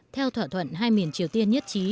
theo thỏa thuận hai miền triều tiên nhất trí